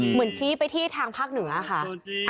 เหมือนชี้ไปที่ทางภาคเหนือค่ะ